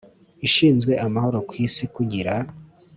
ishinzwe amahoro ku isi kugira